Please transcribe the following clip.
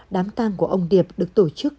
đám tang của ông điệp được tổ chức